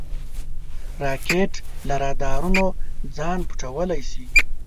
راکټ له رادارونو ځان پټولی شي